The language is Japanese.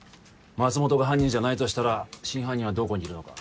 松本が犯人じゃないとしたら真犯人はどこにいるのか。